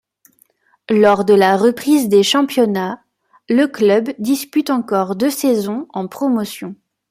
Lors de la reprise des championnats, le club dispute encore deux saisons en Promotion.